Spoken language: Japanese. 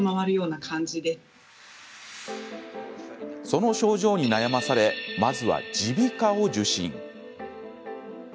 その症状に悩まされまずは、耳鼻科を受診。